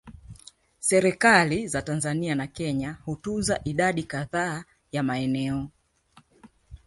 Serikali za Tanzania na Kenya hutunza idadi kadhaa ya maeneo